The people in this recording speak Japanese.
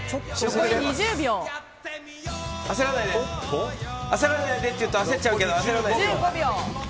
焦らないでって言うと焦っちゃうけど焦らないで。